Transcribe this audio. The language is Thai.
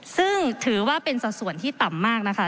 ซึ่งถือว่าเป็นสัดส่วนที่ต่ำมากนะคะ